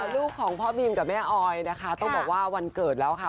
ลูกของพ่อบีมกับแม่ออยนะคะต้องบอกว่าวันเกิดแล้วค่ะ